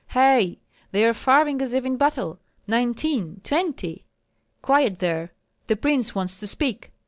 Hei, they are firing as if in battle! Nineteen, twenty!" "Quiet there! the prince wants to speak!"